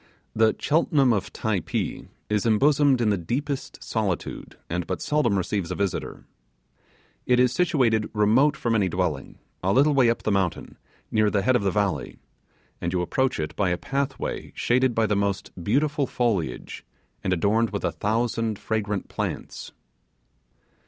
The Cheltenham of Typee is embosomed in the deepest solitude, and but seldom receives a visitor. It is situated remote from any dwelling, a little way up the mountain, near the head of the valley; and you approach it by a pathway shaded by the most beautiful foliage, and adorned with a thousand fragrant plants.